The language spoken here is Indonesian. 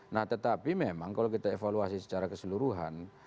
nah tetapi memang kalau kita evaluasi secara keseluruhan